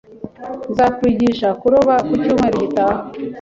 Nzakwigisha kuroba ku cyumweru gitaha